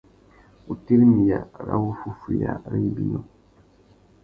Wutirimiya râ wuffúffüiya râ ibinô.